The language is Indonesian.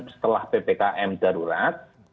setelah ppkm darurat